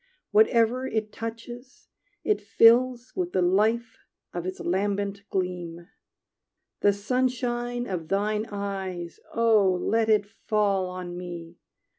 Whatever it touches it fills With the life of its lambent gleam. The sunshine of thine eyes, Oh let it fall on me!